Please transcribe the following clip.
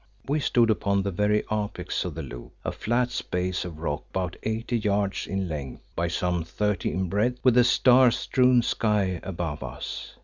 We stood upon the very apex of the loop, a flat space of rock about eighty yards in length by some thirty in breadth, with the star strewn sky above us.